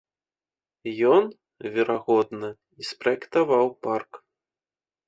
Ён, верагодна, і спраектаваў парк.